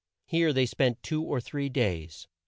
Here they spent two or three days.